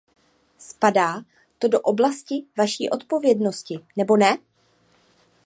Spadá to do oblasti vaší odpovědnosti, nebo ne?